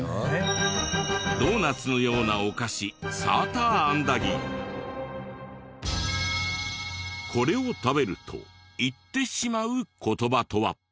ドーナツのようなお菓子これを食べると言ってしまう言葉とは。